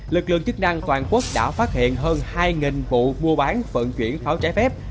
lực lượng chức năng toàn quốc đã phát hiện hơn hai vụ mua bán vận chuyển pháo trái phép